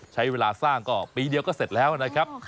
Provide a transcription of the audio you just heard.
ใช้เวลาสร้างก็ปีเดียวก็เสร็จแล้วนะครับ